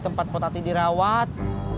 tempat potati dirawat